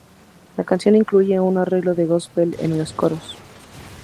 La canción incluye un arreglo de gospel en los coros.